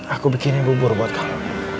aku bikinin bubur buat kamu